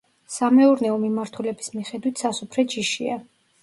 სამეურნეო მიმართულების მიხედვით სასუფრე ჯიშია.